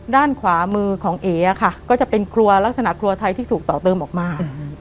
ด้านขวามือของเอ๋ค่ะก็จะเป็นครัวลักษณะครัวไทยที่ถูกต่อเติมออกมา